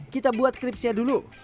kita buat kripsnya dulu